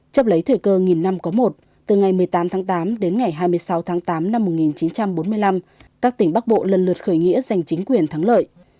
trong lấy thời cơ nghìn năm có một từ ngày một mươi tám tháng tám đến ngày hai mươi sáu tháng tám năm một nghìn chín trăm bốn mươi năm các tỉnh bắc bộ lần lượt khởi nghĩa giành chính quyền thắng lợi